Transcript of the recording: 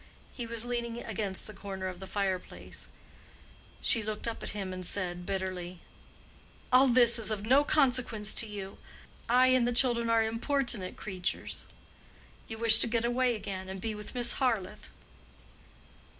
He was leaning against the corner of the fire place. She looked up at him and said, bitterly, "All this is of no consequence to you. I and the children are importunate creatures. You wish to get away again and be with Miss Harleth."